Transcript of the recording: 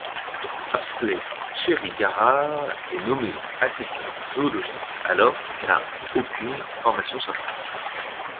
Apsley Cherry-Garrard est nommé assistant zoologiste alors qu'il n'a aucune formation scientifique.